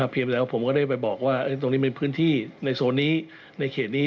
แล้วผมก็ได้ไปบอกว่าตรงนี้เป็นพื้นที่ในโซนนี้ในเขตนี้